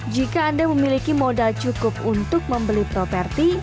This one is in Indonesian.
jika anda memiliki modal cukup untuk membeli properti